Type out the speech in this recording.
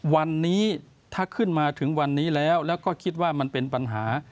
วันนี้ถ้าขึ้นมาถึงวันนี้แล้วแล้วก็คิดว่ามันเป็นปัญหา